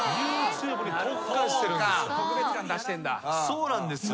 そうなんですよ。